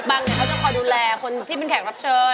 บังเนี่ยเขาจะคอยดูแลคุณคือที่เป็นแขกรับเชิญ